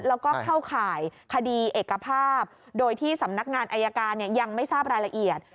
แล้วก็เข้าข่ายคดีเอกภาพโดยที่สำนักงานอายการยังไม่ทราบรายละเอียด